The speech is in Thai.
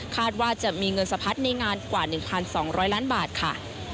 ว่าจะมีเงินสะพัดในงานกว่า๑๒๐๐ล้านบาทค่ะ